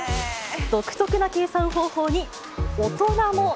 独特な計算方法に大人も。